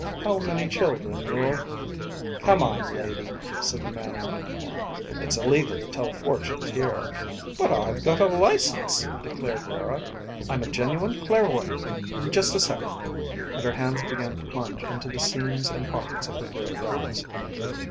How many children you'll ..." "Come on, lady," said the man in uniform. "It's illegal to tell fortunes here." "But I've got my license," declared Rara. "I'm a genuine clairvoyant. Just a second ..." And her hands began to plunge into the seams and pockets of her gray rags.